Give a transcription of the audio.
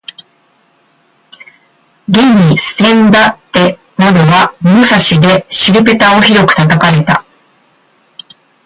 現にせんだってなどは物差しで尻ぺたをひどく叩かれた